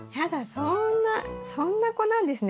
そんなそんな子なんですね